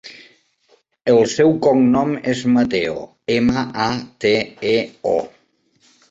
El seu cognom és Mateo: ema, a, te, e, o.